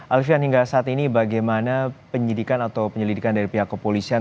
alfian hingga saat ini bagaimana penyidikan atau penyelidikan dari pihak kepolisian